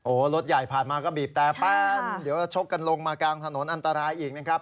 โอ้โหรถใหญ่ผ่านมาก็บีบแต่แป้นเดี๋ยวชกกันลงมากลางถนนอันตรายอีกนะครับ